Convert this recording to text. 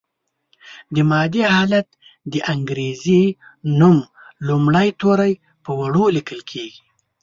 د مادې حالت د انګریزي نوم لومړي توري په وړو لیکل کیږي.